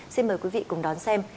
xin mời quý vị cùng đón xem